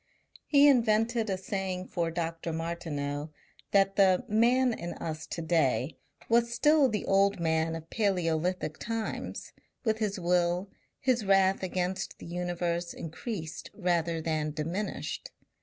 He invented a saying for Dr. Martineau that the Man in us to day was still the old man of Palaeolithic times, with his will, his wrath against the universe increased rather than diminished.